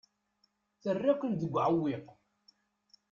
Terra-ken deg uɛewwiq.